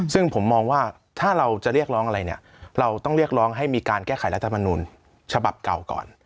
ซึ่งผมมองว่าถ้าเราจะเรียกร้องอะไรเนี่ยเราต้องเรียกร้องให้มีการแก้ไขรัฐมนูลฉบับเก่าก่อน